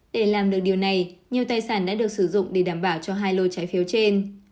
để làm được điều này nhiều tài sản đã được sử dụng để đảm bảo cho hai lô trái phiếu trên